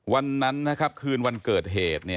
วันนั้นนะครับคืนวันเกิดเหตุ